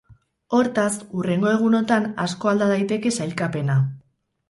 Hortaz, hurrengo egunotan asko alda daiteke sailkapena.